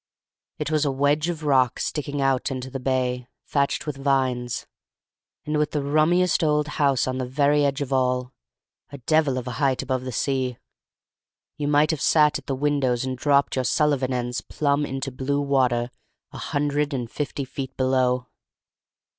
It was a wedge of rock sticking out into the bay, thatched with vines, and with the rummiest old house on the very edge of all, a devil of a height above the sea: you might have sat at the windows and dropped your Sullivan ends plumb into blue water a hundred and fifty feet below.